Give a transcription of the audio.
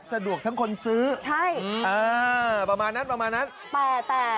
สะดวกทั้งคนซื้อใช่อ่าประมาณนั้นประมาณนั้นแต่แต่